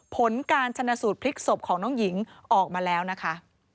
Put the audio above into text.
ผลการชนะสูตรพลิกศพของน้องหญิงออกมาแล้วนะคะ